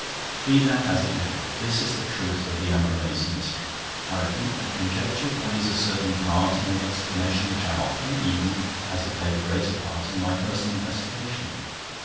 Be that as it may, this is the truth of the Ambrumésy mystery. I repeat that conjecture plays a certain part in the explanation which I offer, even as it played a great part in my personal investigation.